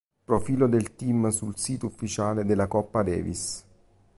Profilo del team sul sito ufficiale della Coppa Davis